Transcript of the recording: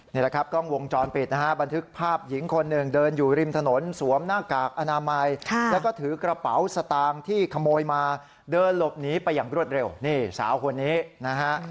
นี่แหละครับกล้องวงจรปิดนะฮะบันทึกภาพหญิงคนหนึ่งเดินอยู่ริมถนนสวมหน้ากากอนามัยแล้วก็ถือกระเป๋าสตางค์ที่ขโมยมาเดินหลบหนีไปอย่างรวดเร็วนี่สาวคนนี้นะฮะ